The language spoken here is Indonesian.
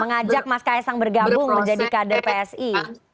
mengajak mas kaisang bergabung menjadi kader psi